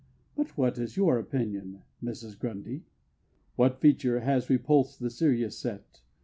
But what is your opinion, Mrs. Grundy? What feature has repulsed the serious set?